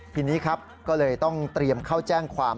ทีนี้ครับก็เลยต้องเตรียมเข้าแจ้งความ